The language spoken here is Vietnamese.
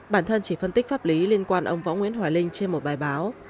bản thân chỉ phân tích pháp lý liên quan ông võ nguyễn hòa linh trên một bài báo